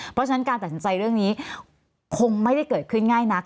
เพราะฉะนั้นการตัดสินใจเรื่องนี้คงไม่ได้เกิดขึ้นง่ายนัก